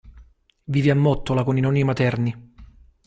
Vive a Mottola con i nonni materni.